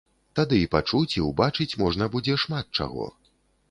Тады і пачуць і ўбачыць можна будзе шмат чаго.